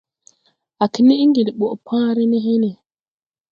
Á knɛʼ ŋgel ɓɔ pããre ne hene.